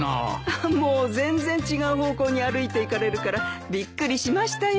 もう全然違う方向に歩いていかれるからびっくりしましたよ。